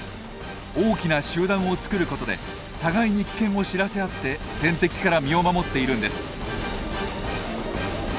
大きな集団を作ることで互いに危険を知らせ合って天敵から身を守っているんです。